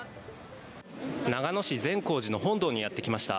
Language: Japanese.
長野市善光寺の本堂にやってきました。